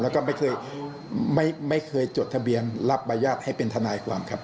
แล้วก็ไม่เคยจดทะเบียนรับบรรยาศให้เป็นธนายความครับ